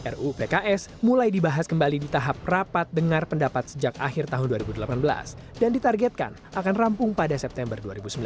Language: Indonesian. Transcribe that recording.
ruu pks mulai dibahas kembali di tahap rapat dengar pendapat sejak akhir tahun dua ribu delapan belas dan ditargetkan akan rampung pada september dua ribu sembilan belas